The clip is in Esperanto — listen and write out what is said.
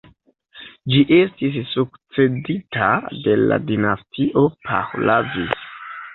Ĝi estis sukcedita de la dinastio Pahlavi.